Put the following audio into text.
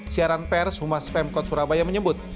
siaran pers humas pemkot surabaya menyebut